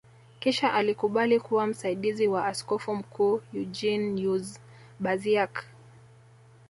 Kisha alikubali kuwa msaidizi wa askofu mkuu Eugeniuz Baziak